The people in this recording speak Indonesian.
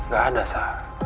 gak ada sa